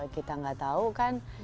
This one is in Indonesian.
kita nggak tahu kan